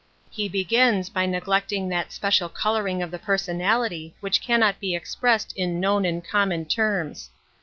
He be gins by neglecting that special coloring of the personality which cannot be ex pressed in known and common terms.